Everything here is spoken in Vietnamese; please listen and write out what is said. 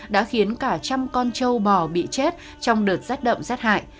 đã khiến cả trăm con châu bò bị chết trong đợt rách đậm rách hại